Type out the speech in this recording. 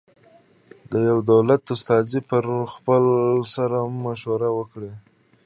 د یوه دولت استازی پر خپل سر مشوره ورکوي.